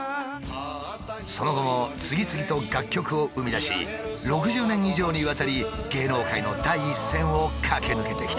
その後も次々と楽曲を生み出し６０年以上にわたり芸能界の第一線を駆け抜けてきた。